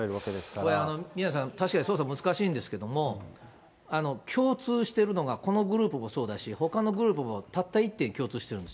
これ、宮根さん、確かに捜査難しいんですけども、共通してるのが、このグループもそうだし、ほかのグループもたった１点、共通してるんです。